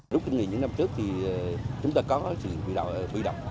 lúc kinh nghiệm những năm trước thì chúng ta có sự bị động